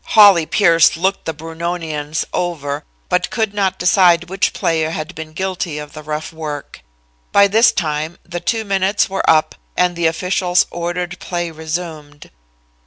Hawley Pierce looked the Brunonians over, but could not decide which player had been guilty of the rough work. By this time, the two minutes were up, and the officials ordered play resumed.